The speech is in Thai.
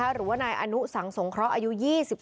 พวกมันต้องกินกันพี่